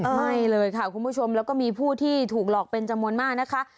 ไม่เลยค่ะคุณผู้ชมแล้วก็มีผู้ที่ถูกหลอกเป็นจำนวนมากนะคะ